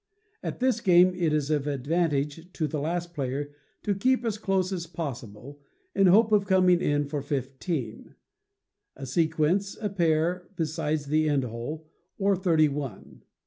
At this game it is of advantage to the last player to keep as close as possible, in hope of coming in for fifteen, a sequence, or pair, besides the end hole, or thirty one.